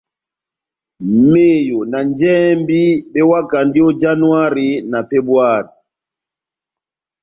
Meyo na njɛhɛmbi bewakandi ó Yanuhari na Febuwari.